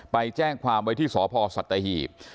ไปแจ้งความไว้ที่สพสัตหีบ